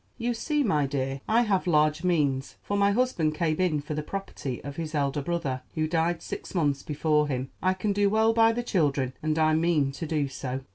You see, my dear, I have large means, for my husband came in for the property of his elder brother, who died six months before him. I can do well by the children, and I mean to do so."